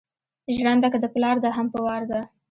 ژرنده که دې پلار ده هم په وار ده.